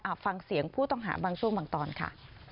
ฟังเสียงผู้ต้องหาบางช่วงบางตอนค่ะ